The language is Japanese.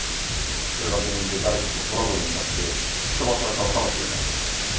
それが原因で誰かとトラブルになって突き飛ばされたのかもしれない。